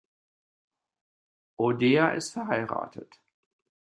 O’Dea ist verheiratet.